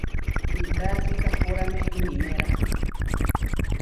Kuitá kikahpórame iniméra.